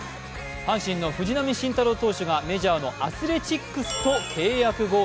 阪神の藤浪晋太郎選手がメジャーのアスレチックスと契約合意。